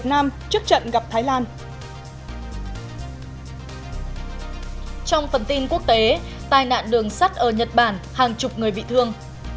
trong phần tin quốc tế tai nạn đường sắt ở nhật bản hàng chục người bị thương